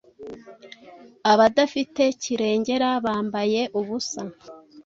Abadafite kirengera, bambaye ubusa,